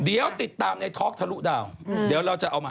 เดี๋ยวติดตามในทอล์กทะลุดาว